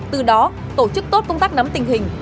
từ đó tổ chức tốt công tác nắm tình hình